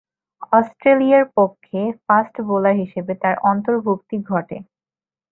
অস্ট্রেলিয়ার পক্ষে fast bowler হিসেবে তার অন্তর্ভুক্তি ঘটে।